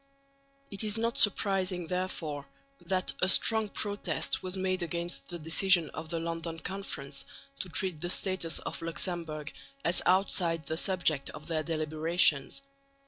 It is not surprising, therefore, that a strong protest was made against the decision of the London Conference to treat the status of Luxemburg as outside the subject of their deliberations.